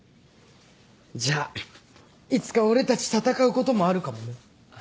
じゃあいつか俺たち戦うこともあるかもね。